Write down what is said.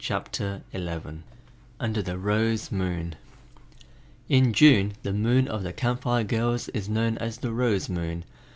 CHAPTER XI UNDER THE ROSE MOON In June the moon of the Camp Fire girls is known as the Rose Moon.